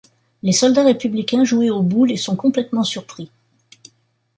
Les soldats républicains jouaient aux boules et sont complètement surpris.